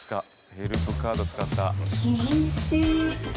ヘルプカード使った。